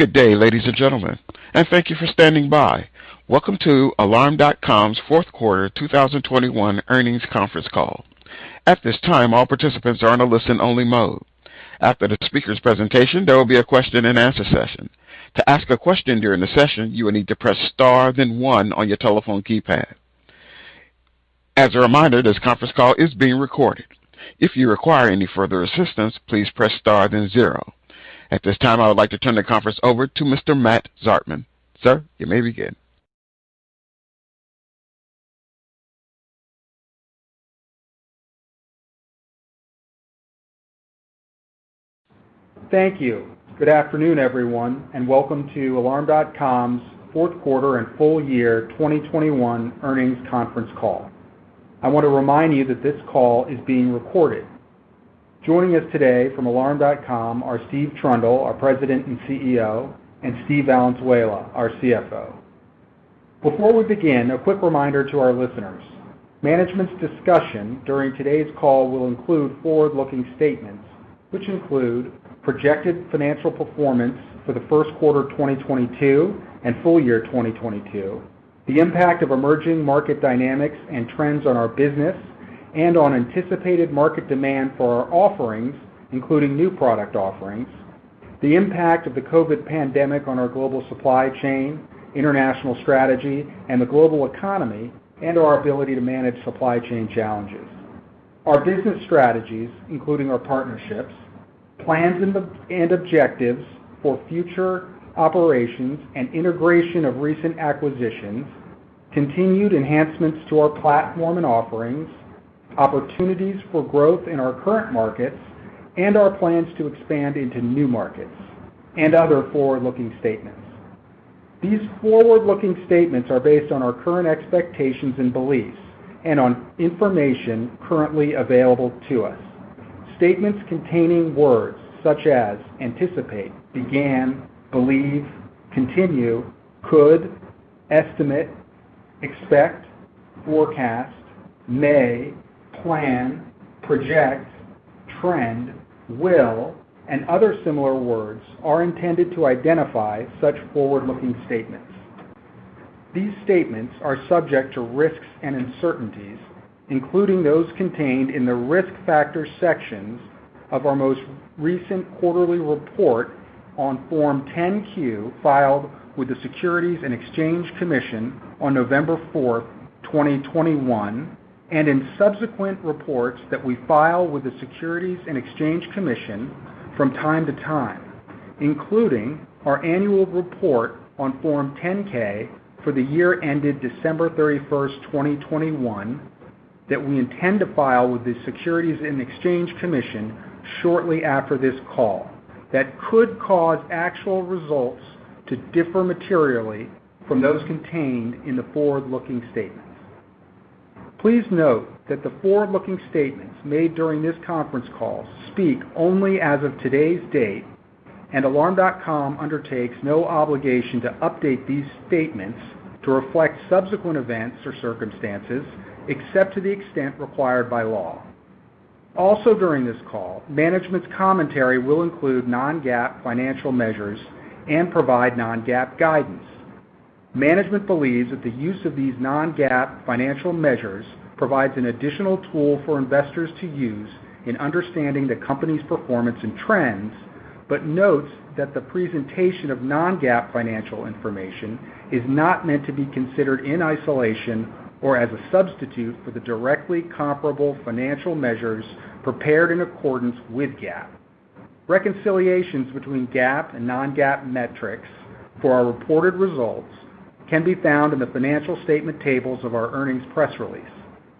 Good day, ladies and gentlemen, and thank you for standing by. Welcome to Alarm.com's fourth quarter 2021 earnings conference call. At this time, all participants are in a listen-only mode. After the speaker's presentation, there will be a question-and-answer session. To ask a question during the session, you will need to press star, then 1 on your telephone keypad. As a reminder, this conference call is being recorded. If you require any further assistance, please press star, then 0. At this time, I would like to turn the conference over to Mr. Matt Zartman. Sir, you may begin. Thank you. Good afternoon, everyone, and welcome to Alarm.com's fourth quarter and full year 2021 earnings conference call. I want to remind you that this call is being recorded. Joining us today from Alarm.com are Steve Trundle, our President and CEO, and Steve Valenzuela, our CFO. Before we begin, a quick reminder to our listeners: Management's discussion during today's call will include forward-looking statements, which include projected financial performance for the first quarter of 2022 and full year 2022, the impact of emerging market dynamics and trends on our business and on anticipated market demand for our offerings, including new product offerings, the impact of the COVID pandemic on our global supply chain, international strategy and the global economy, and our ability to manage supply chain challenges, our business strategies, including our partnerships, plans and objectives for future operations and integration of recent acquisitions, continued enhancements to our platform and offerings, opportunities for growth in our current markets and our plans to expand into new markets, and other forward-looking statements. These forward-looking statements are based on our current expectations and beliefs and on information currently available to us. Statements containing words such as anticipate, began, believe, continue, could, estimate, expect, forecast, may, plan, project, trend, will, and other similar words are intended to identify such forward-looking statements. These statements are subject to risks and uncertainties, including those contained in the Risk Factors sections of our most recent quarterly report on Form 10-Q filed with the Securities and Exchange Commission on November 4, 2021, and in subsequent reports that we file with the Securities and Exchange Commission from time to time, including our annual report on Form 10-K for the year ended December 31, 2021 that we intend to file with the Securities and Exchange Commission shortly after this call, that could cause actual results to differ materially from those contained in the forward-looking statements. Please note that the forward-looking statements made during this conference call speak only as of today's date, and Alarm.com undertakes no obligation to update these statements to reflect subsequent events or circumstances, except to the extent required by law. Also during this call, management's commentary will include non-GAAP financial measures and provide non-GAAP guidance. Management believes that the use of these non-GAAP financial measures provides an additional tool for investors to use in understanding the company's performance and trends, but notes that the presentation of non-GAAP financial information is not meant to be considered in isolation or as a substitute for the directly comparable financial measures prepared in accordance with GAAP. Reconciliations between GAAP and non-GAAP metrics for our reported results can be found in the financial statement tables of our earnings press release,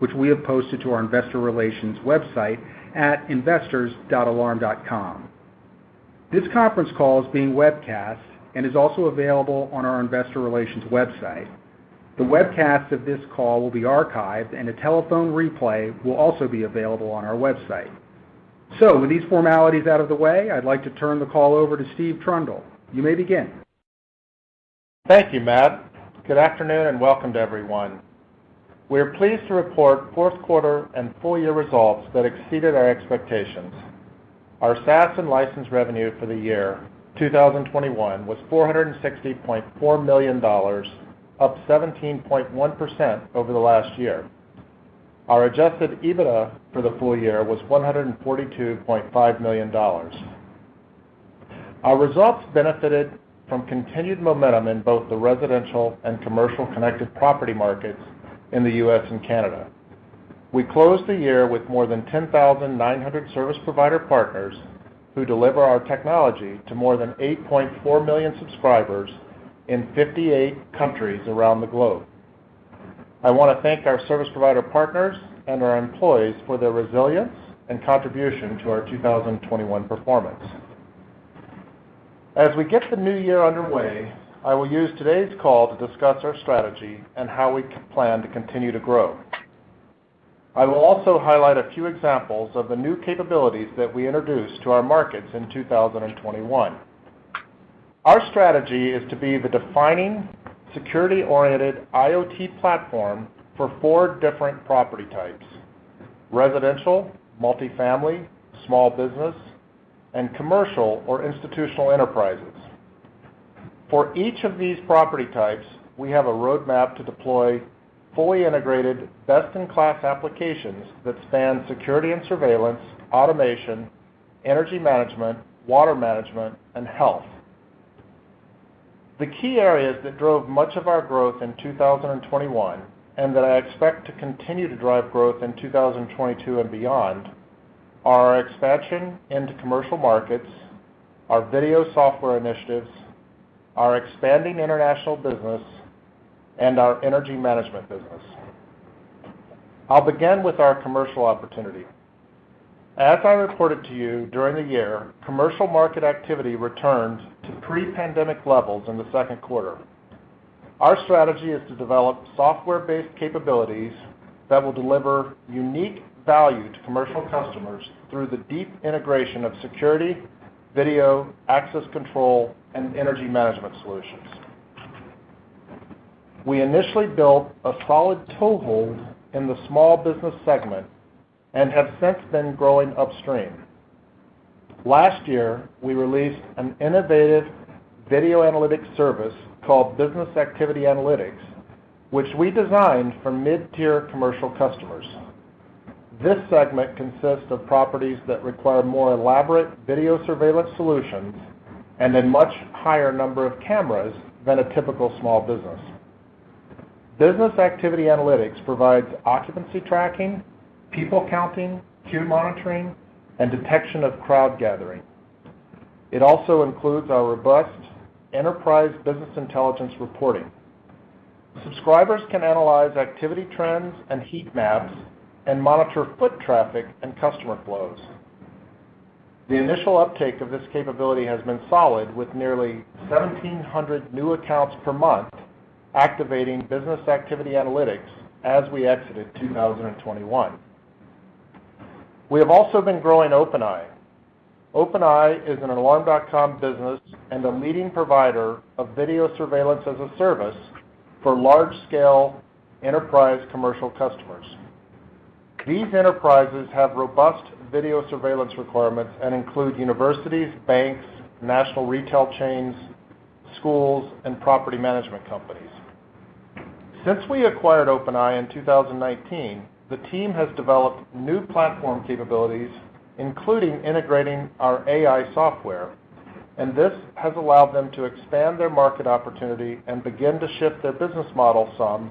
which we have posted to our investor relations website at investors.alarm.com. This conference call is being webcast and is also available on our investor relations website. The webcast of this call will be archived and a telephone replay will also be available on our website. With these formalities out of the way, I'd like to turn the call over to Steve Trundle. You may begin. Thank you, Matt. Good afternoon, and welcome to everyone. We are pleased to report fourth quarter and full year results that exceeded our expectations. Our SaaS and license revenue for the year 2021 was $460.4 million, up 17.1% over the last year. Our adjusted EBITDA for the full year was $142.5 million. Our results benefited from continued momentum in both the residential and commercial connected property markets in the U.S. and Canada. We closed the year with more than 10,900 service provider partners who deliver our technology to more than 8.4 million subscribers in 58 countries around the globe. I wanna thank our service provider partners and our employees for their resilience and contribution to our 2021 performance. As we get the new year underway, I will use today's call to discuss our strategy and how we plan to continue to grow. I will also highlight a few examples of the new capabilities that we introduced to our markets in 2021. Our strategy is to be the defining security-oriented IoT platform for four different property types. Residential, multifamily, small business, and commercial or institutional enterprises. For each of these property types, we have a roadmap to deploy fully integrated, best-in-class applications that span security and surveillance, automation, energy management, water management, and health. The key areas that drove much of our growth in 2021, and that I expect to continue to drive growth in 2022 and beyond, are our expansion into commercial markets, our video software initiatives, our expanding international business, and our energy management business. I'll begin with our commercial opportunity. As I reported to you during the year, commercial market activity returned to pre-pandemic levels in the second quarter. Our strategy is to develop software-based capabilities that will deliver unique value to commercial customers through the deep integration of security, video, access control, and energy management solutions. We initially built a solid toehold in the small business segment and have since been growing upstream. Last year, we released an innovative video analytics service called Business Activity Analytics, which we designed for mid-tier commercial customers. This segment consists of properties that require more elaborate video surveillance solutions and a much higher number of cameras than a typical small business. Business Activity Analytics provides occupancy tracking, people counting, queue monitoring, and detection of crowd gathering. It also includes our robust enterprise business intelligence reporting. Subscribers can analyze activity trends and heat maps and monitor foot traffic and customer flows. The initial uptake of this capability has been solid, with nearly 1,700 new accounts per month activating Business Activity Analytics as we exited 2021. We have also been growing OpenEye. OpenEye is an Alarm.com business and a leading provider of video surveillance as a service for large-scale enterprise commercial customers. These enterprises have robust video surveillance requirements and include universities, banks, national retail chains, schools, and property management companies. Since we acquired OpenEye in 2019, the team has developed new platform capabilities, including integrating our AI software, and this has allowed them to expand their market opportunity and begin to shift their business model some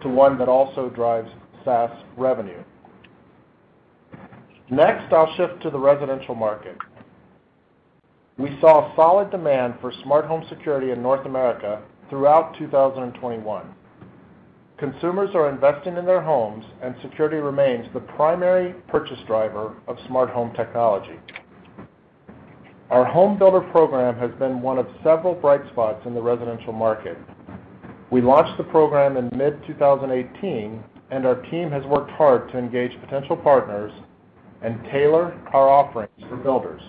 to one that also drives SaaS revenue. Next, I'll shift to the residential market. We saw solid demand for smart home security in North America throughout 2021. Consumers are investing in their homes, and security remains the primary purchase driver of smart home technology. Our home builder program has been one of several bright spots in the residential market. We launched the program in mid-2018, and our team has worked hard to engage potential partners and tailor our offerings for builders.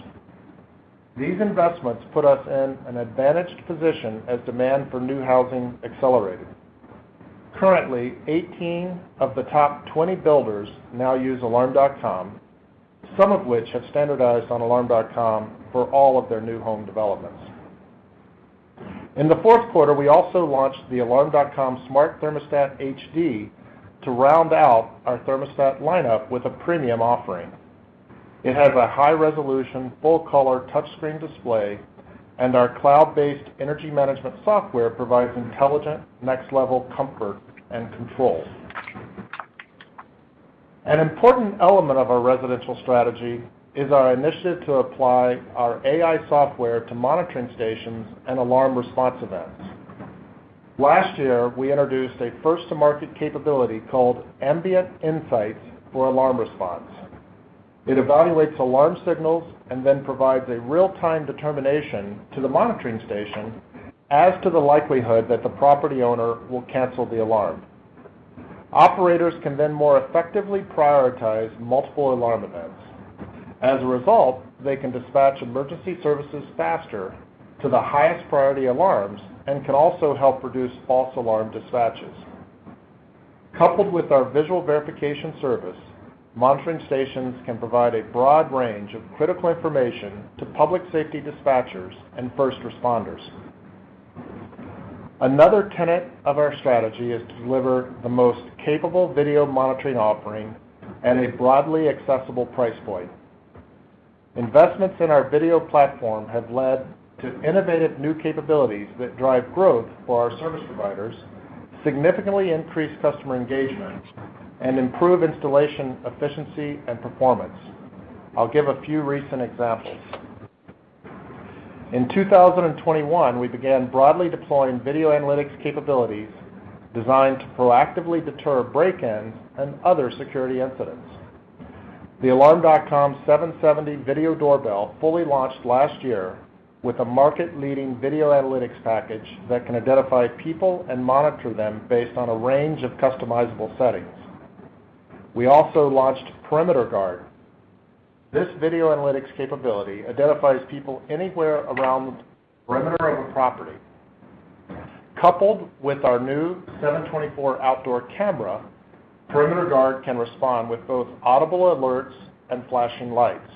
These investments put us in an advantaged position as demand for new housing accelerated. Currently, 18 of the top 20 builders now use Alarm.com, some of which have standardized on Alarm.com for all of their new home developments. In the fourth quarter, we also launched the Alarm.com Smart Thermostat HD to round out our thermostat lineup with a premium offering. It has a high-resolution, full-color touchscreen display, and our cloud-based energy management software provides intelligent next-level comfort and control. An important element of our residential strategy is our initiative to apply our AI software to monitoring stations and alarm response events. Last year, we introduced a first-to-market capability called Ambient Insights for Alarm Response. It evaluates alarm signals and then provides a real-time determination to the monitoring station as to the likelihood that the property owner will cancel the alarm. Operators can then more effectively prioritize multiple alarm events. As a result, they can dispatch emergency services faster to the highest priority alarms and can also help reduce false alarm dispatches. Coupled with our visual verification service, monitoring stations can provide a broad range of critical information to public safety dispatchers and first responders. Another tenet of our strategy is to deliver the most capable video monitoring offering at a broadly accessible price point. Investments in our video platform have led to innovative new capabilities that drive growth for our service providers, significantly increase customer engagement, and improve installation efficiency and performance. I'll give a few recent examples. In 2021, we began broadly deploying video analytics capabilities designed to proactively deter break-ins and other security incidents. The Alarm.com 770 Video Doorbell fully launched last year with a market-leading video analytics package that can identify people and monitor them based on a range of customizable settings. We also launched Perimeter Guard. This video analytics capability identifies people anywhere around the perimeter of a property. Coupled with our new 724 outdoor camera, Perimeter Guard can respond with both audible alerts and flashing lights.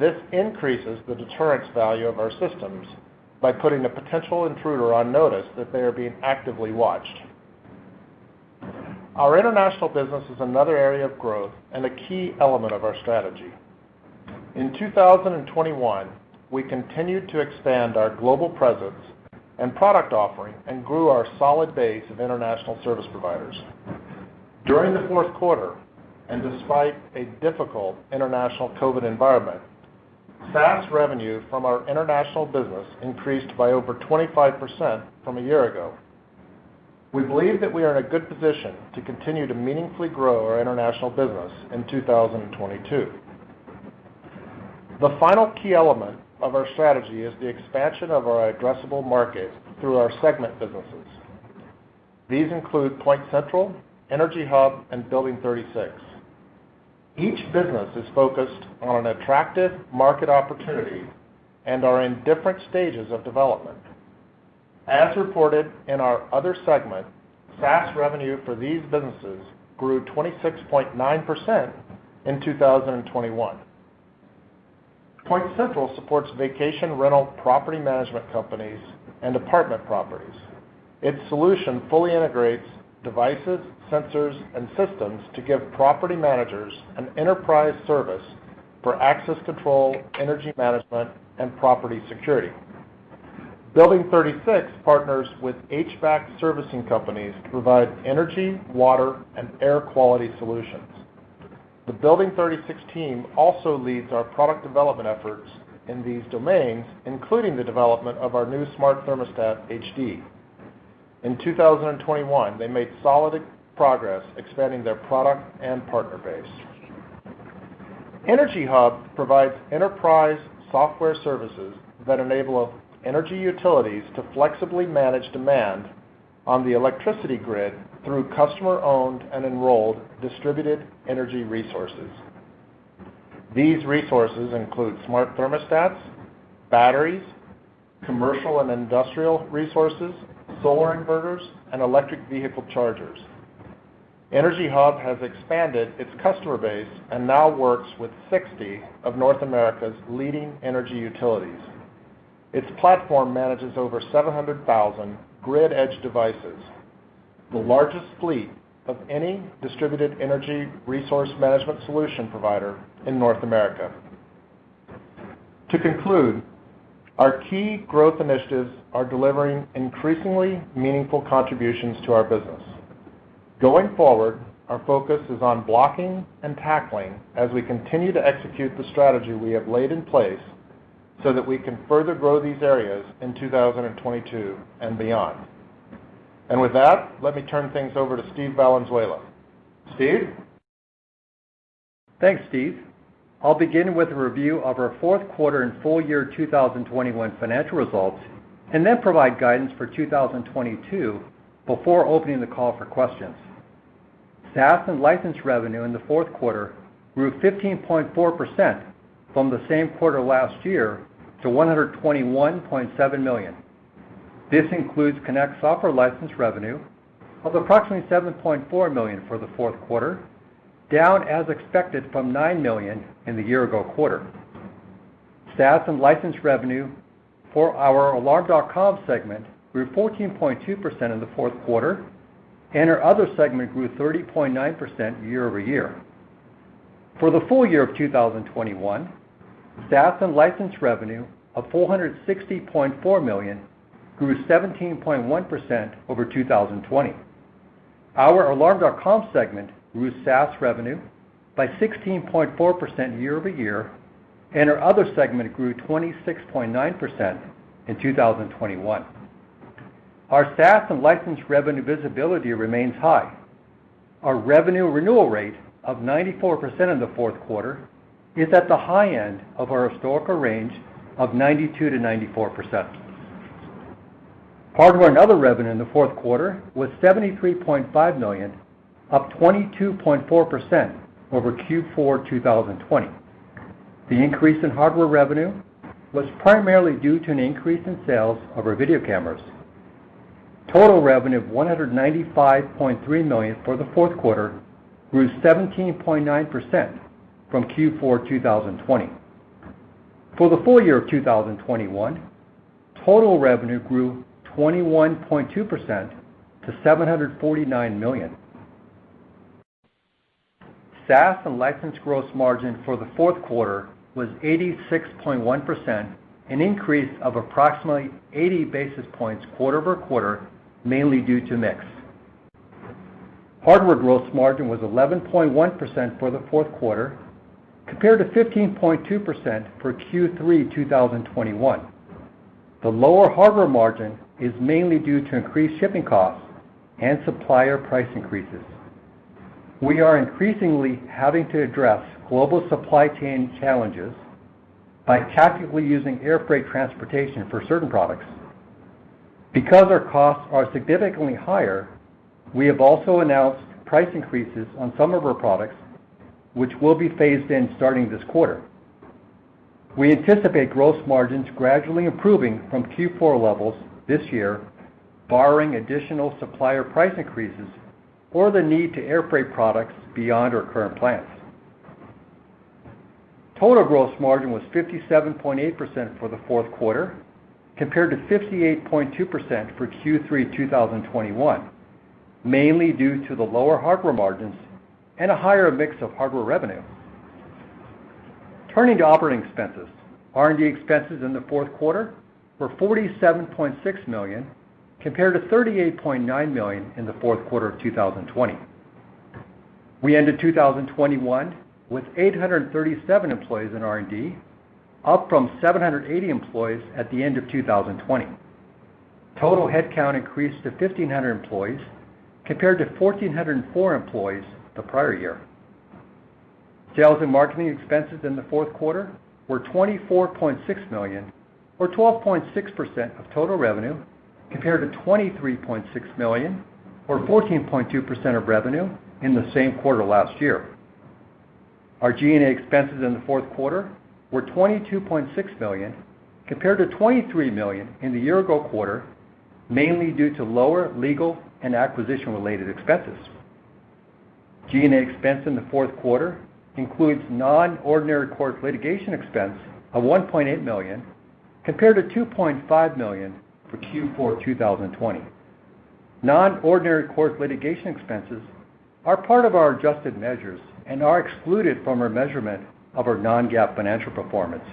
This increases the deterrence value of our systems by putting a potential intruder on notice that they are being actively watched. Our international business is another area of growth and a key element of our strategy. In 2021, we continued to expand our global presence and product offering and grew our solid base of international service providers. During the fourth quarter, and despite a difficult international COVID environment, SaaS revenue from our international business increased by over 25% from a year ago. We believe that we are in a good position to continue to meaningfully grow our international business in 2022. The final key element of our strategy is the expansion of our addressable market through our segment businesses. These include PointCentral, EnergyHub, and Building36. Each business is focused on an attractive market opportunity and are in different stages of development. As reported in our other segment, SaaS revenue for these businesses grew 26.9% in 2021. PointCentral supports vacation rental property management companies and apartment properties. Its solution fully integrates devices, sensors, and systems to give property managers an enterprise service for access control, energy management, and property security. Building36 partners with HVAC servicing companies to provide energy, water, and air quality solutions. The Building36 team also leads our product development efforts in these domains, including the development of our new Smart Thermostat HD. In 2021, they made solid progress expanding their product and partner base. EnergyHub provides enterprise software services that enable energy utilities to flexibly manage demand on the electricity grid through customer-owned and enrolled distributed energy resources. These resources include smart thermostats, batteries, commercial and industrial resources, solar inverters, and electric vehicle chargers. EnergyHub has expanded its customer base and now works with 60 of North America's leading energy utilities. Its platform manages over 700,000 grid edge devices, the largest fleet of any distributed energy resource management solution provider in North America. To conclude, our key growth initiatives are delivering increasingly meaningful contributions to our business. Going forward, our focus is on blocking and tackling as we continue to execute the strategy we have laid in place so that we can further grow these areas in 2022 and beyond. With that, let me turn things over to Steve Valenzuela. Steve? Thanks, Steve. I'll begin with a review of our fourth quarter and full year 2021 financial results, and then provide guidance for 2022 before opening the call for questions. SaaS and license revenue in the fourth quarter grew 15.4% from the same quarter last year to $121.7 million. This includes Connect software license revenue of approximately $7.4 million for the fourth quarter, down as expected from $9 million in the year-ago quarter. SaaS and license revenue for our Alarm.com segment grew 14.2% in the fourth quarter, and our other segment grew 30.9% year-over-year. For the full year of 2021, SaaS and license revenue of $460.4 million grew 17.1% over 2020. Our Alarm.com segment grew SaaS revenue by 16.4% year-over-year, and our other segment grew 26.9% in 2021. Our SaaS and license revenue visibility remains high. Our revenue renewal rate of 94% in the fourth quarter is at the high end of our historical range of 92%-94%. Hardware and other revenue in the fourth quarter was $73.5 million, up 22.4% over Q4 2020. The increase in hardware revenue was primarily due to an increase in sales of our video cameras. Total revenue of $195.3 million for the fourth quarter grew 17.9% from Q4 2020. For the full year of 2021, total revenue grew 21.2% to $749 million. SaaS and license gross margin for the fourth quarter was 86.1%, an increase of approximately 80 basis points quarter over quarter, mainly due to mix. Hardware gross margin was 11.1% for the fourth quarter compared to 15.2% for Q3 2021. The lower hardware margin is mainly due to increased shipping costs and supplier price increases. We are increasingly having to address global supply chain challenges by tactically using air freight transportation for certain products. Because our costs are significantly higher, we have also announced price increases on some of our products, which will be phased in starting this quarter. We anticipate gross margins gradually improving from Q4 levels this year, barring additional supplier price increases or the need to airfreight products beyond our current plans. Total gross margin was 57.8% for the fourth quarter, compared to 58.2% for Q3 2021, mainly due to the lower hardware margins and a higher mix of hardware revenue. Turning to operating expenses, R&D expenses in the fourth quarter were $47.6 million, compared to $38.9 million in the fourth quarter of 2020. We ended 2021 with 837 employees in R&D, up from 780 employees at the end of 2020. Total headcount increased to 1,500 employees, compared to 1,404 employees the prior year. Sales and marketing expenses in the fourth quarter were $24.6 million or 12.6% of total revenue, compared to $23.6 million or 14.2% of revenue in the same quarter last year. Our G&A expenses in the fourth quarter were $22.6 million, compared to $23 million in the year-ago quarter, mainly due to lower legal and acquisition-related expenses. G&A expense in the fourth quarter includes non-ordinary court litigation expense of $1.8 million, compared to $2.5 million for Q4 2020. Non-ordinary court litigation expenses are part of our adjusted measures and are excluded from our measurement of our non-GAAP financial performance.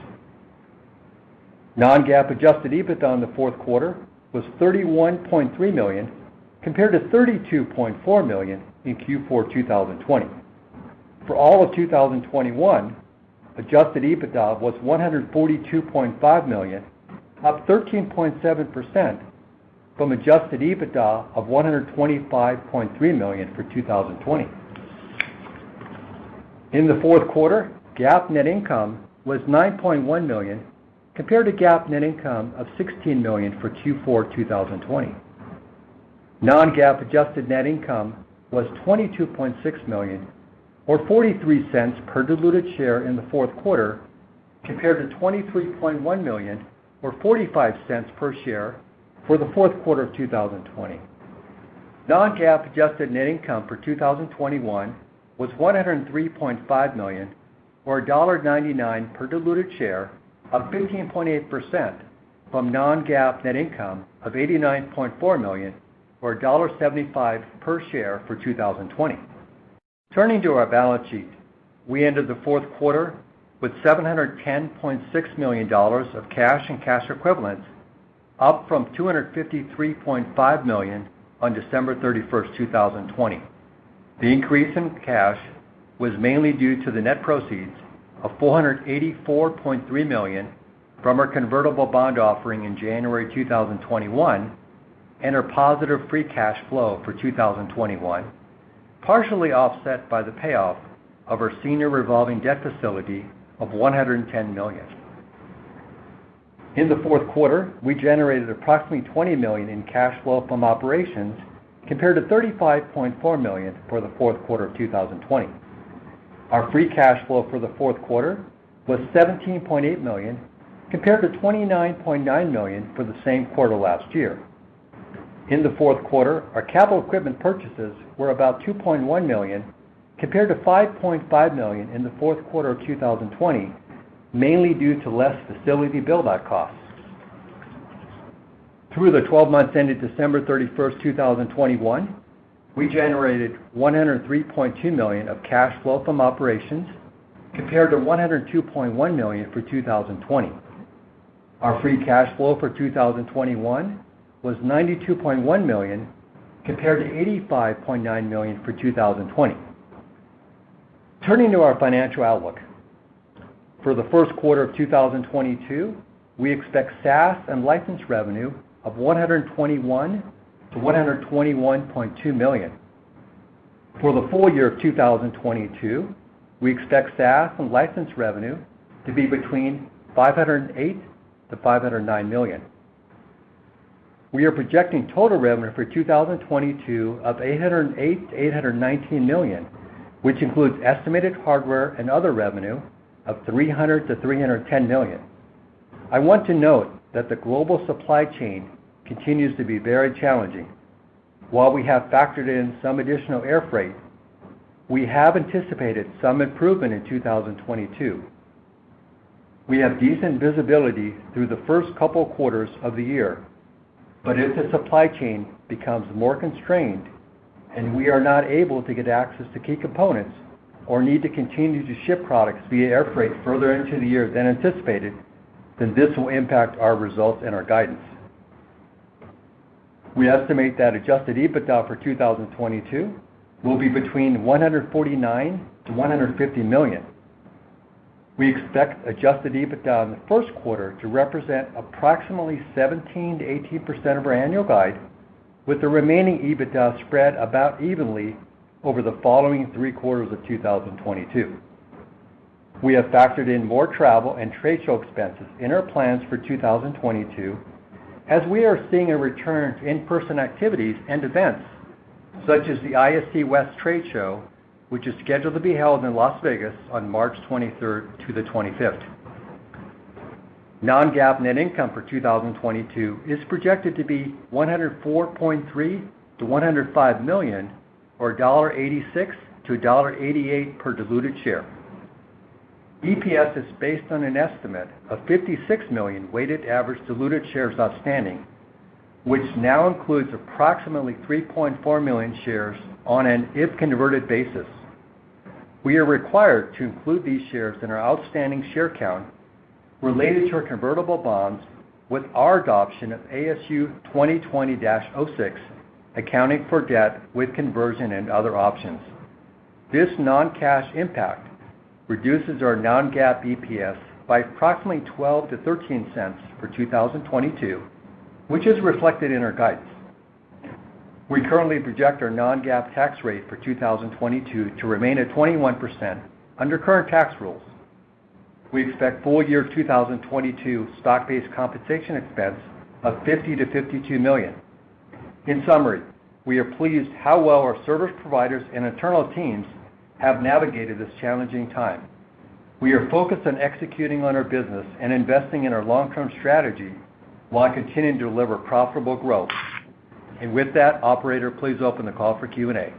Non-GAAP adjusted EBITDA in the fourth quarter was $31.3 million, compared to $32.4 million in Q4 2020. For all of 2021, adjusted EBITDA was $142.5 million, up 13.7% from adjusted EBITDA of $125.3 million for 2020. In the fourth quarter, GAAP net income was $9.1 million, compared to GAAP net income of $16 million for Q4 2020. Non-GAAP adjusted net income was $22.6 million or $0.43 per diluted share in the fourth quarter, compared to $23.1 million or $0.45 per share for the fourth quarter of 2020. Non-GAAP adjusted net income for 2021 was $103.5 million or $1.99 per diluted share, up 15.8% from non-GAAP net income of $89.4 million or $1.75 per share for 2020. Turning to our balance sheet, we ended the fourth quarter with $710.6 million of cash and cash equivalents, up from $253.5 million on December 31, 2020. The increase in cash was mainly due to the net proceeds of $484.3 million from our convertible bond offering in January 2021 and our positive free cash flow for 2021, partially offset by the payoff of our senior revolving debt facility of $110 million. In the fourth quarter, we generated approximately $20 million in cash flow from operations compared to $35.4 million for the fourth quarter of 2020. Our free cash flow for the fourth quarter was $17.8 million compared to $29.9 million for the same quarter last year. In the fourth quarter, our capital equipment purchases were about $2.1 million compared to $5.5 million in the fourth quarter of 2020, mainly due to less facility build-out costs. Through the 12 months ended December 31, 2021, we generated $103.2 million of cash flow from operations compared to $102.1 million for 2020. Our free cash flow for 2021 was $92.1 million compared to $85.9 million for 2020. Turning to our financial outlook. For the first quarter of 2022, we expect SaaS and license revenue of $121 million-$121.2 million. For the full year of 2022, we expect SaaS and license revenue to be between $508 million and $509 million. We are projecting total revenue for 2022 of $808 million-$819 million, which includes estimated hardware and other revenue of $300 million-$310 million. I want to note that the global supply chain continues to be very challenging. While we have factored in some additional air freight, we have anticipated some improvement in 2022. We have decent visibility through the first couple quarters of the year, but if the supply chain becomes more constrained and we are not able to get access to key components or need to continue to ship products via air freight further into the year than anticipated, then this will impact our results and our guidance. We estimate that adjusted EBITDA for 2022 will be between $149 million-$150 million. We expect adjusted EBITDA in the first quarter to represent approximately 17%-18% of our annual guide, with the remaining EBITDA spread about evenly over the following three quarters of 2022. We have factored in more travel and trade show expenses in our plans for 2022 as we are seeing a return to in-person activities and events, such as the ISC West trade show, which is scheduled to be held in Las Vegas on March 23rd to the 25th. Non-GAAP net income for 2022 is projected to be $104.3 million-$105 million or $0.86-$0.88 per diluted share. EPS is based on an estimate of 56 million weighted average diluted shares outstanding, which now includes approximately 3.4 million shares on an if-converted basis. We are required to include these shares in our outstanding share count related to our convertible bonds with our adoption of ASU 2020-06, Accounting for Debt with Conversion and Other Options. This non-cash impact reduces our non-GAAP EPS by approximately $0.12-$0.13 for 2022, which is reflected in our guidance. We currently project our non-GAAP tax rate for 2022 to remain at 21% under current tax rules. We expect full year 2022 stock-based compensation expense of $50 million-$52 million. In summary, we are pleased how well our service providers and internal teams have navigated this challenging time. We are focused on executing on our business and investing in our long-term strategy while continuing to deliver profitable growth. With that, operator, please open the call for Q&A.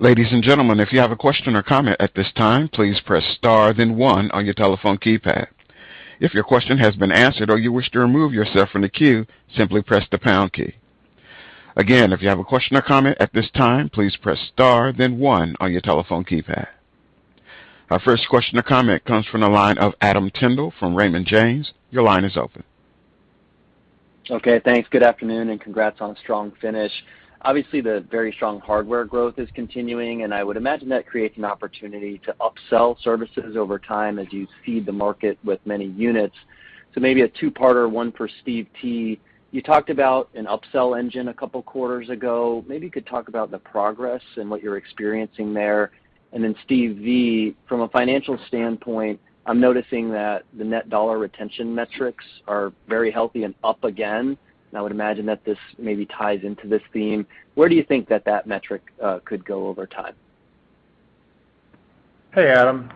Ladies and gentlemen, if you have a question or comment at this time, please press star then one on your telephone keypad. If your question has been answered or you wish to remove yourself from the queue, simply press the pound key. Again, if you have a question or comment at this time, please press star then one on your telephone keypad. Our first question or comment comes from the line of Adam Tindle from Raymond James. Your line is open. Okay, thanks. Good afternoon, and congrats on a strong finish. Obviously, the very strong hardware growth is continuing, and I would imagine that creates an opportunity to upsell services over time as you feed the market with many units. Maybe a two-parter, one for Steve T. You talked about an upsell engine a couple of quarters ago. Maybe you could talk about the progress and what you're experiencing there. And then Steve V, from a financial standpoint, I'm noticing that the net dollar retention metrics are very healthy and up again. And I would imagine that this maybe ties into this theme. Where do you think that metric could go over time? Hey, Adam.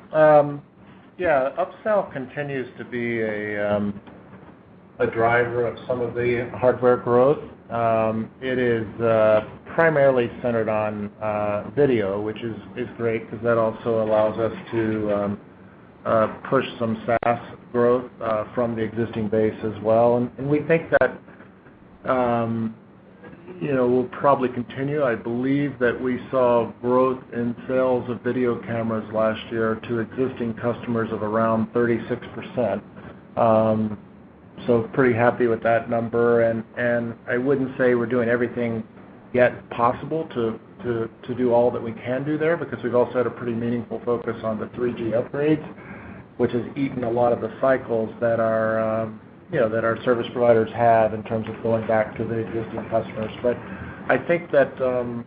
Yeah, upsell continues to be a driver of some of the hardware growth. It is primarily centered on video, which is great because that also allows us to push some SaaS growth from the existing base as well. We think that, you know, we'll probably continue. I believe that we saw growth in sales of video cameras last year to existing customers of around 36%. Pretty happy with that number. I wouldn't say we're doing everything yet possible to do all that we can do there because we've also had a pretty meaningful focus on the 3G upgrades, which has eaten a lot of the cycles that our, you know, service providers have in terms of going back to the existing customers. I think that will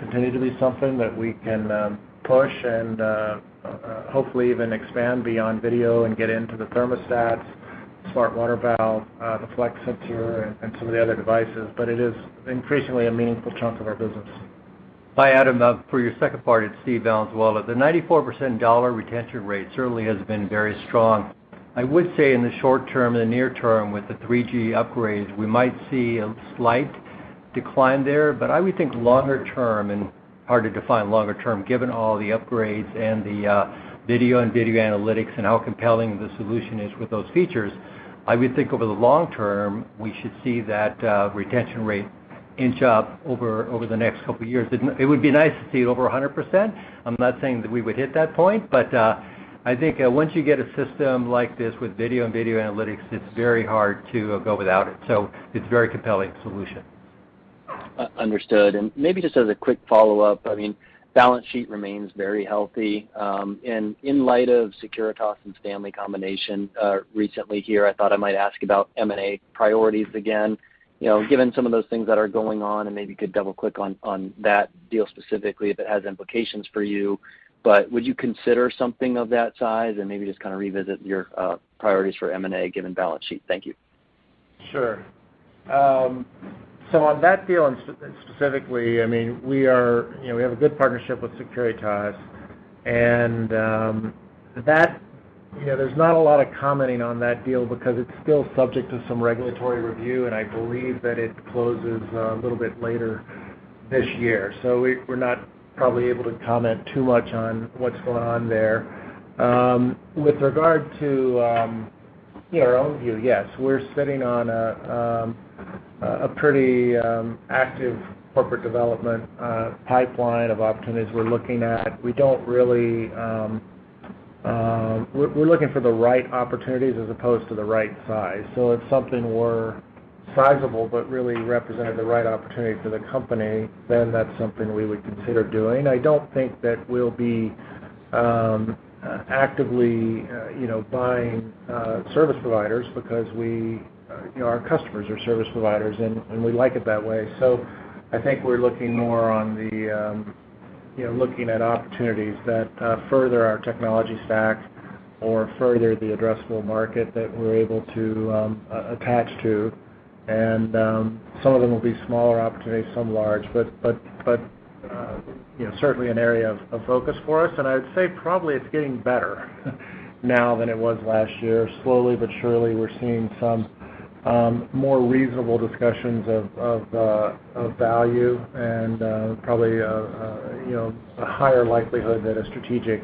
continue to be something that we can push and hopefully even expand beyond video and get into the thermostats, Smart Water Valve, the Flex IO and some of the other devices. It is increasingly a meaningful chunk of our business. Hi, Adam. For your second part, it's Steve Valenzuela. The 94% dollar retention rate certainly has been very strong. I would say in the short term, the near term, with the 3G upgrades, we might see a slight decline there. I would think longer term and hard to find longer term, given all the upgrades and the video and video analytics and how compelling the solution is with those features. I would think over the long term, we should see that retention rate inch up over the next couple of years. It would be nice to see it over 100%. I'm not saying that we would hit that point, but I think once you get a system like this with video and video analytics, it's very hard to go without it. It's a very compelling solution. Understood. Maybe just as a quick follow-up, I mean, balance sheet remains very healthy. In light of Securitas and Stanley combination recently here, I thought I might ask about M&A priorities again, you know, given some of those things that are going on, and maybe you could double-click on that deal specifically if it has implications for you. Would you consider something of that size and maybe just kinda revisit your priorities for M&A given balance sheet? Thank you. Sure, so on that deal specifically, I mean, we are, you know, we have a good partnership with Securitas, and, that, you know, there's not a lot of commenting on that deal because it's still subject to some regulatory review, and I believe that it closes a little bit later this year. We're not probably able to comment too much on what's going on there. With regard to, you know, our own view, yes, we're sitting on a pretty, active corporate development, pipeline of opportunities we're looking at. We don't really. We're looking for the right opportunities as opposed to the right size. If something were sizable but really represented the right opportunity for the company, then that's something we would consider doing. I don't think that we'll be actively, you know, buying service providers because we, you know, our customers are service providers and we like it that way. I think we're looking more on the, you know, looking at opportunities that further our technology stack or further the addressable market that we're able to attach to. Some of them will be smaller opportunities, some large, but you know certainly an area of focus for us. I would say probably it's getting better now than it was last year. Slowly but surely, we're seeing some more reasonable discussions of value and probably you know a higher likelihood that a strategic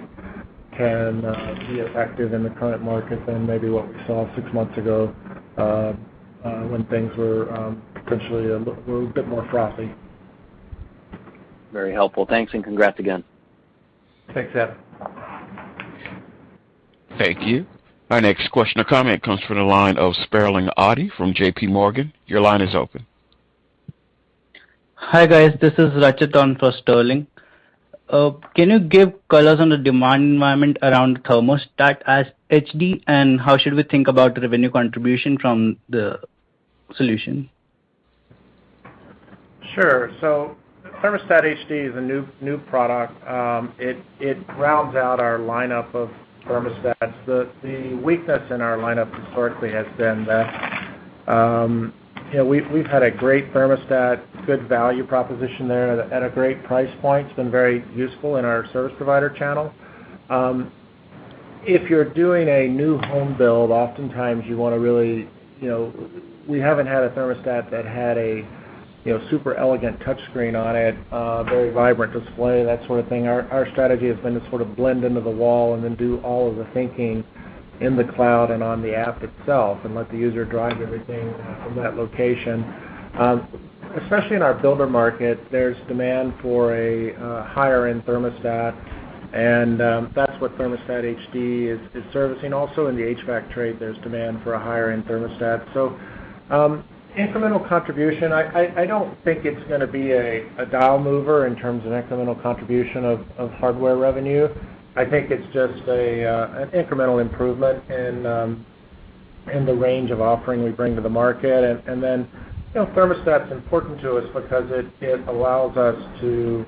can be effective in the current market than maybe what we saw six months ago when things were potentially a little bit more frothy. Very helpful. Thanks, and congrats again. Thanks, Adam. Thank you. Our next question or comment comes from the line of Sterling Auty from JP Morgan. Your line is open. Hi, guys. This is Rachit for Sterling. Can you give colors on the demand environment around Thermostat HD and how should we think about revenue contribution from the solution? Sure. Smart Thermostat HD is a new product. It rounds out our lineup of thermostats. The weakness in our lineup historically has been that, you know, we've had a great thermostat, good value proposition there at a great price point. It's been very useful in our service provider channel. If you're doing a new home build, oftentimes you wanna really, you know, we haven't had a thermostat that had a super elegant touchscreen on it, very vibrant display, that sort of thing. Our strategy has been to sort of blend into the wall and then do all of the thinking in the cloud and on the app itself and let the user drive everything from that location. Especially in our builder market, there's demand for a higher-end thermostat, and that's what Thermostat HD is servicing. Also, in the HVAC trade, there's demand for a higher-end thermostat. Incremental contribution, I don't think it's gonna be a dial mover in terms of incremental contribution of hardware revenue. I think it's just an incremental improvement in the range of offering we bring to the market. Then, you know, thermostat's important to us because it allows us to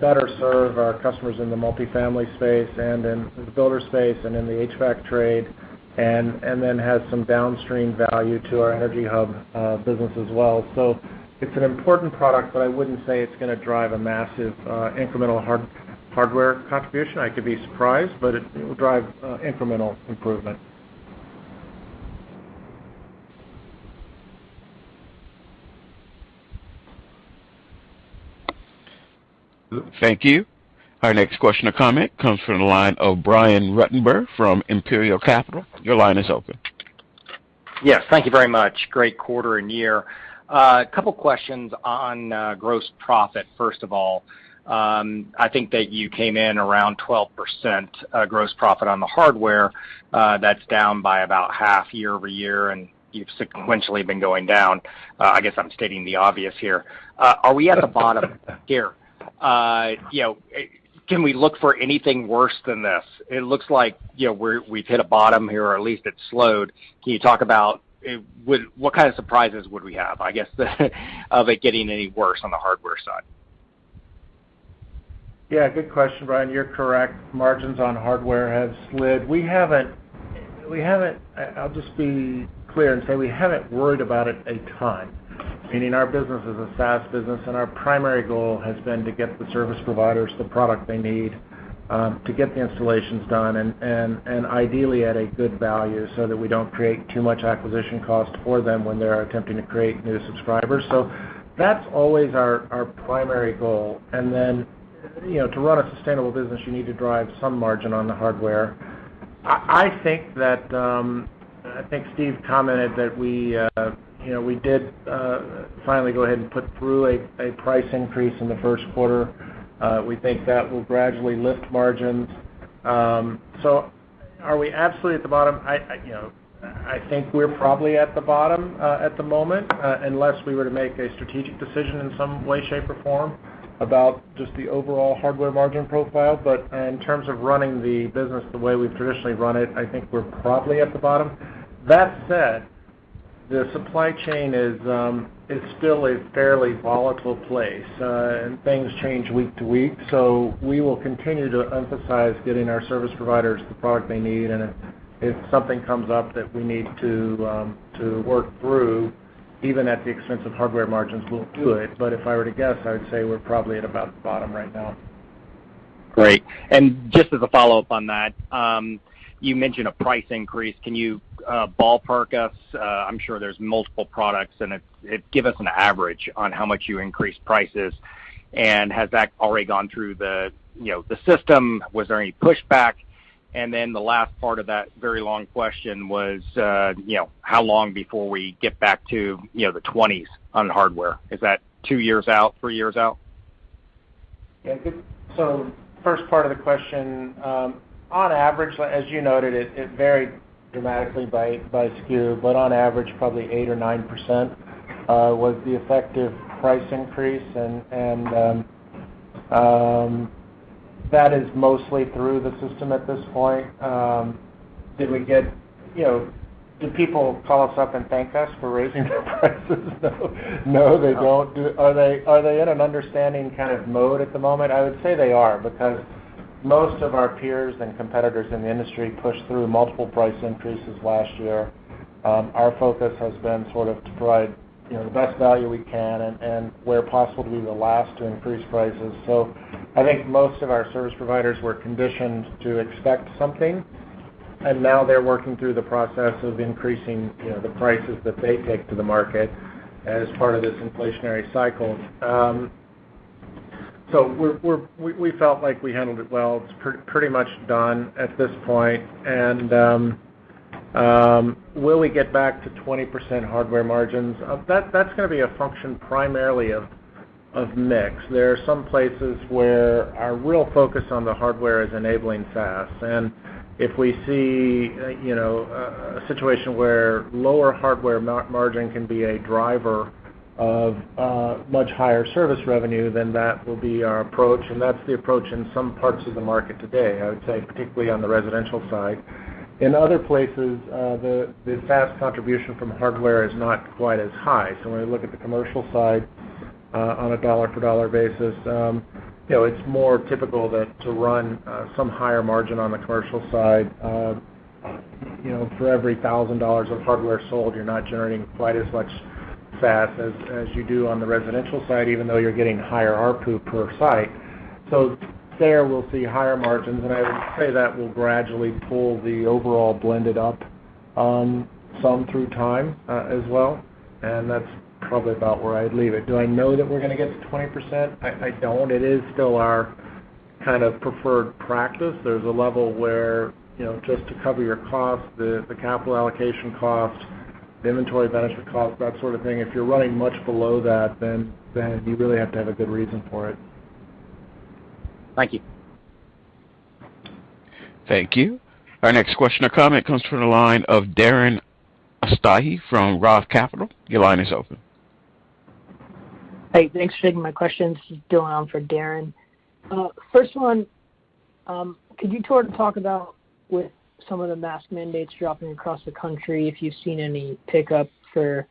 better serve our customers in the multifamily space and in the builder space and in the HVAC trade, and then has some downstream value to our EnergyHub business as well. It's an important product, but I wouldn't say it's gonna drive a massive incremental hardware contribution. I could be surprised, but it will drive incremental improvement. Thank you. Our next question or comment comes from the line of Brian Ruttenbur from Imperial Capital. Your line is open. Yes. Thank you very much. Great quarter and year. A couple questions on gross profit, first of all. I think that you came in around 12% gross profit on the hardware. That's down by about half year-over-year, and you've sequentially been going down. I guess I'm stating the obvious here. Are we at a bottom here? You know, can we look for anything worse than this? It looks like, you know, we've hit a bottom here, or at least it's slowed. Can you talk about what kind of surprises would we have, I guess, of it getting any worse on the hardware side? Yeah, good question, Brian. You're correct. Margins on hardware have slid. We haven't worried about it a ton, meaning our business is a SaaS business, and our primary goal has been to get the service providers the product they need to get the installations done and ideally at a good value so that we don't create too much acquisition cost for them when they're attempting to create new subscribers. So that's always our primary goal. And then, you know, to run a sustainable business, you need to drive some margin on the hardware. I think that I think Steve commented that we, you know, we did finally go ahead and put through a price increase in the first quarter. We think that will gradually lift margins. Are we absolutely at the bottom? You know, I think we're probably at the bottom at the moment, unless we were to make a strategic decision in some way, shape, or form about just the overall hardware margin profile. In terms of running the business the way we've traditionally run it, I think we're probably at the bottom. That said, the supply chain is still a fairly volatile place, and things change week to week. We will continue to emphasize getting our service providers the product they need, and if something comes up that we need to work through, even at the expense of hardware margins, we'll do it. If I were to guess, I would say we're probably at about the bottom right now. Great. Just as a follow-up on that, you mentioned a price increase. Can you ballpark us? I'm sure there's multiple products. Give us an average on how much you increased prices, and has that already gone through the, you know, the system? Was there any pushback? The last part of that very long question was, you know, how long before we get back to, you know, the twenties on hardware? Is that two years out, three years out? Yeah. Good. First part of the question, on average, as you noted, it varied dramatically by SKU, but on average, probably 8% or 9% was the effective price increase. That is mostly through the system at this point. Did we get, you know, do people call us up and thank us for raising their prices? No, they don't. Are they in an understanding kind of mode at the moment? I would say they are, because most of our peers and competitors in the industry pushed through multiple price increases last year. Our focus has been sort of to provide, you know, the best value we can and where possibly the last to increase prices. I think most of our service providers were conditioned to expect something, and now they're working through the process of increasing, you know, the prices that they take to the market as part of this inflationary cycle. We felt like we handled it well. It's pretty much done at this point. Will we get back to 20% hardware margins? That's gonna be a function primarily of mix. There are some places where our real focus on the hardware is enabling SaaS. If we see, you know, a situation where lower hardware margin can be a driver of a much higher service revenue, then that will be our approach. That's the approach in some parts of the market today, I would say, particularly on the residential side. In other places, the SaaS contribution from hardware is not quite as high. When we look at the commercial side, on a dollar-for-dollar basis, you know, it's more typical that to run some higher margin on the commercial side. You know, for every $1,000 of hardware sold, you're not generating quite as much SaaS as you do on the residential side, even though you're getting higher ARPU per site. There we'll see higher margins, and I would say that will gradually pull the overall blended up some through time, as well. That's probably about where I'd leave it. Do I know that we're gonna get to 20%? I don't. It is still our kind of preferred practice. There's a level where, you know, just to cover your costs, the capital allocation cost, the inventory management cost, that sort of thing, if you're running much below that, then you really have to have a good reason for it. Thank you. Thank you. Our next question or comment comes from the line of Darren Aftahi from Roth Capital. Your line is open. Hey, thanks for taking my questions. This is Dylan for Darren. First one, could you sort of talk about, with some of the mask mandates dropping across the country, if you've seen any pickup for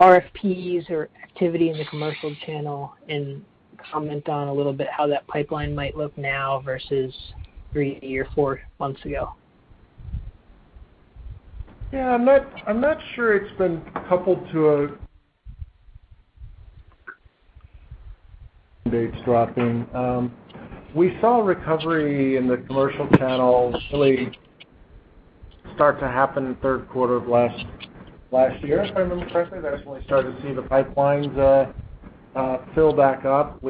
RFPs or activity in the commercial channel, and comment on a little bit how that pipeline might look now versus three or four months ago? Yeah, I'm not sure it's been coupled to mandates dropping. We saw recovery in the commercial channel really start to happen in third quarter of last year, if I remember correctly. That's when we started to see the pipelines fill back up.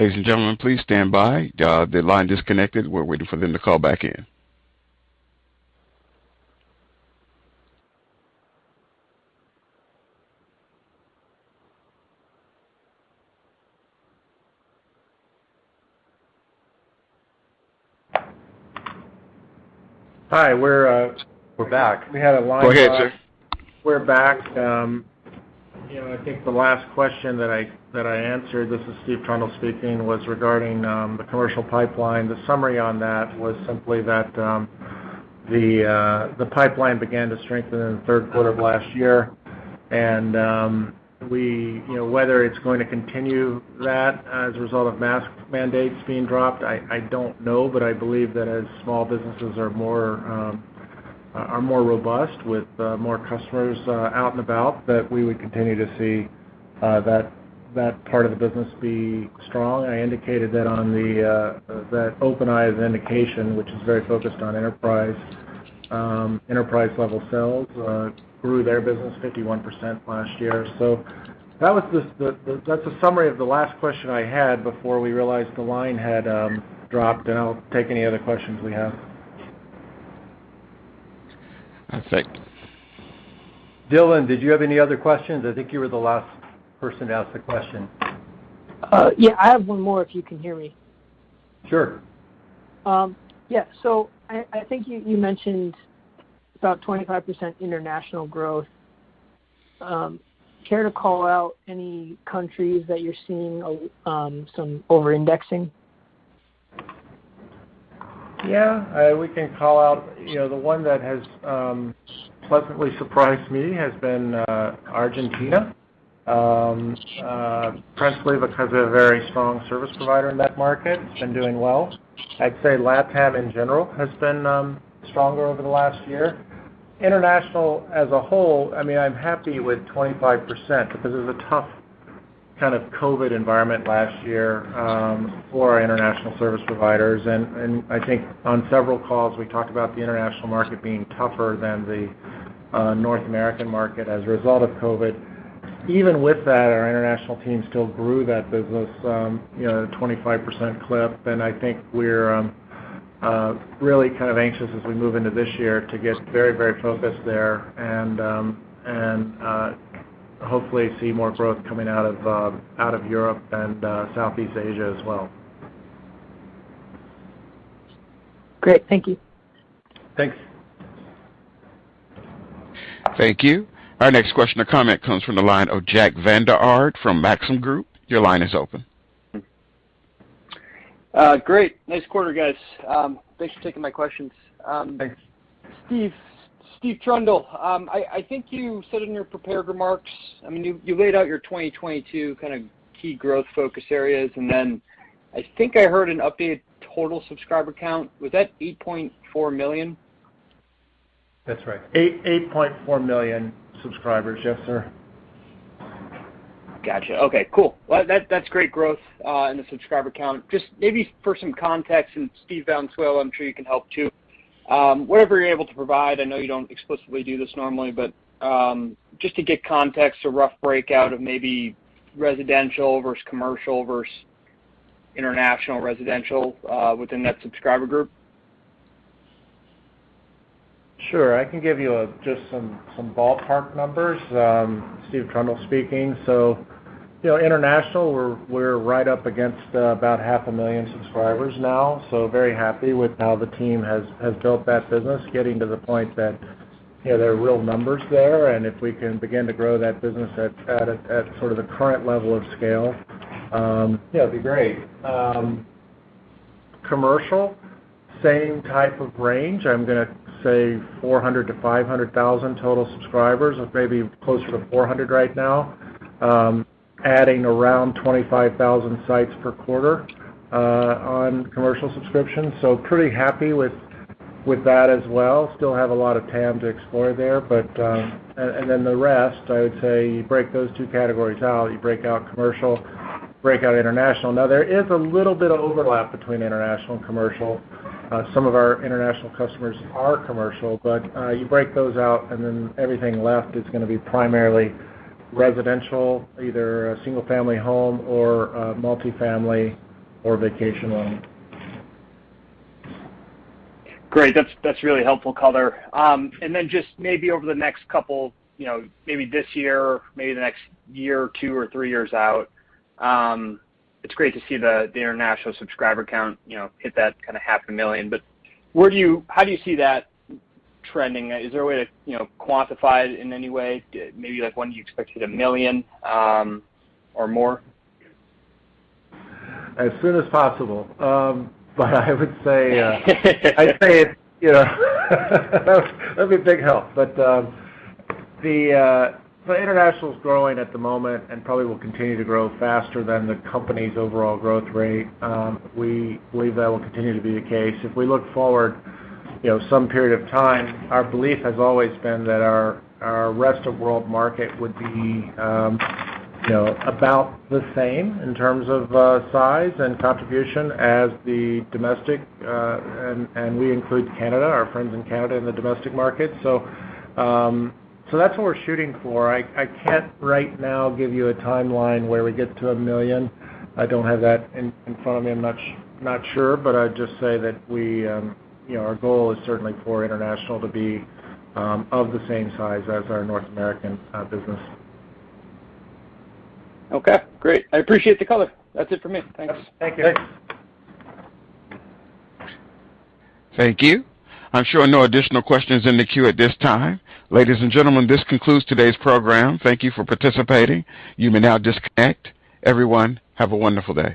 We saw. The line disconnected. We're waiting for them to call back in. Hi, we're We're back. We had a line drop. Go ahead, Steve. We're back. You know, I think the last question that I answered, this is Steve Trundle speaking, was regarding the commercial pipeline. The summary on that was simply that the pipeline began to strengthen in the third quarter of last year. You know, whether it's going to continue that as a result of mask mandates being dropped, I don't know, but I believe that as small businesses are more robust with more customers out and about, that we would continue to see that part of the business be strong. I indicated that. OpenEye, which is very focused on enterprise-level sales, grew their business 51% last year. That was just a summary of the last question I had before we realized the line had dropped out. Take any other questions we have. Perfect. Dylan, did you have any other questions? I think you were the last person to ask the question. Yeah, I have one more, if you can hear me. Sure. Yeah. I think you mentioned about 25% international growth. Care to call out any countries that you're seeing some over-indexing? Yeah, we can call out, you know, the one that has pleasantly surprised me has been Argentina, principally because they're a very strong service provider in that market and doing well. I'd say LATAM, in general, has been stronger over the last year. International as a whole, I mean, I'm happy with 25% because it was a tough kind of COVID environment last year for our international service providers. I think on several calls we talked about the international market being tougher than the North American market as a result of COVID. Even with that, our international team still grew that business, you know, 25% clip, and I think we're really kind of anxious as we move into this year to get very, very focused there and hopefully see more growth coming out of Europe and Southeast Asia as well. Great. Thank you. Thanks. Thank you. Our next question or comment comes from the line of Jack Vander Aarde from Maxim Group. Your line is open. Great. Nice quarter, guys. Thanks for taking my questions. Thanks. Steve Trundle, I think you said in your prepared remarks, I mean, you laid out your 2022 kind of key growth focus areas, and then I think I heard an updated total subscriber count. Was that 8.4 million? That's right. 8.84 million subscribers. Yes, sir. Gotcha. Okay, cool. Well, that's great growth in the subscriber count. Just maybe for some context, Steve Valenzuela, I'm sure you can help too. Whatever you're able to provide, I know you don't explicitly do this normally, but just to get context, a rough breakout of maybe residential versus commercial versus international residential within that subscriber group. Sure. I can give you just some ballpark numbers. Steve Trundle speaking. You know, international, we're right up against about 500,000 subscribers now, so very happy with how the team has built that business, getting to the point that, you know, there are real numbers there. If we can begin to grow that business at sort of the current level of scale, yeah, it'd be great. Commercial, same type of range. I'm gonna say 400,000-500,000 total subscribers, maybe closer to 400,000 right now, adding around 25,000 sites per quarter on commercial subscriptions. So pretty happy with that as well. Still have a lot of TAM to explore there, but. Then the rest, I would say you break those two categories out. You break out commercial, break out international. Now, there is a little bit of overlap between international and commercial. Some of our international customers are commercial, but you break those out, and then everything left is gonna be primarily residential, either a single-family home or a multifamily or vacation home. Great. That's really helpful color. Just maybe over the next couple, you know, maybe this year or maybe the next year or 2 or 3 years out, it's great to see the international subscriber count, you know, hit that kinda 500,000. How do you see that trending? Is there a way to, you know, quantify it in any way? Maybe like when do you expect to hit 1 million or more? As soon as possible. I would say it, you know that'd be a big help. The international's growing at the moment and probably will continue to grow faster than the company's overall growth rate. We believe that will continue to be the case. If we look forward, you know, some period of time, our belief has always been that our rest of world market would be, you know, about the same in terms of, size and contribution as the domestic, and we include Canada, our friends in Canada in the domestic market. That's what we're shooting for. I can't right now give you a timeline where we get to a million. I don't have that in front of me. I'm not sure, but I'd just say that we, you know, our goal is certainly for international to be of the same size as our North American business. Okay, great. I appreciate the color. That's it for me. Thanks. Thank you. Thank you. I'm showing no additional questions in the queue at this time. Ladies and gentlemen, this concludes today's program. Thank you for participating. You may now disconnect. Everyone, have a wonderful day.